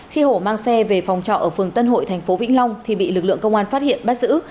khi hổ mang xe về phòng trọ ở phường tân hội tp vĩnh long thì bị lực lượng công an phát hiện bắt giữ